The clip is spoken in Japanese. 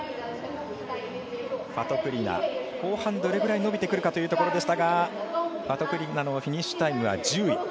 ファトクリナ後半どれぐらい伸びてくるかというところでしたがファトクリナのフィニッシュタイムは１０位。